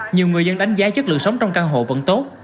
nhiều người dân đánh giá chất lượng sống trong căn hộ vẫn tốt